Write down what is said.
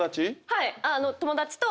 はい。